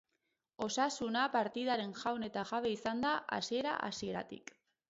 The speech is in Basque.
Osasuna partidaren jaun eta jabe izan da hasiera-hasieratik.